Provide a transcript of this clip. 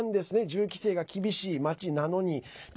銃規制が厳しい街なのに。